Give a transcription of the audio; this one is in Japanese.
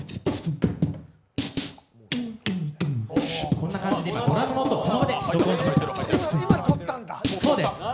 こんな感じで今、ドラムの音をこの場で録音しました。